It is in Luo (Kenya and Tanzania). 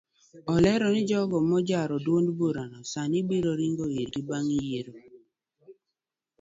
Olero ni jogo majaro duond burano sani biro ringo irgi bang yiero.